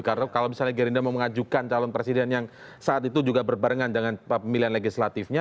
karena kalau misalnya gerindra mau mengajukan calon presiden yang saat itu juga berbarengan dengan pemilihan legislatifnya